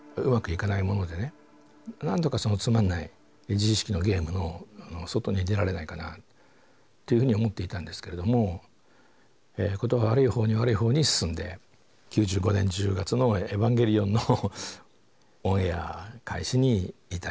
なんとかそのつまんない自意識のゲームの外に出られないかなっていうふうに思っていたんですけれども事が悪いほうに悪いほうに進んで９５年１０月の「エヴァンゲリオン」のオンエア開始に至り。